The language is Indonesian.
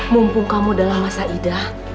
mumpung kamu dalam masa idah